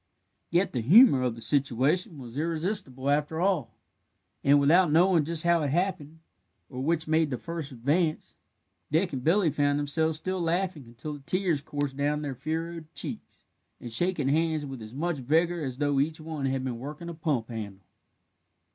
Yet the humour of the situation was irresistible after all, and, without knowing just how it happened, or which made the first advance, Dick and Billy found themselves still laughing until the tears coursed down their furrowed cheeks, and shaking hands with as much vigour as though each one had been working a pump handle.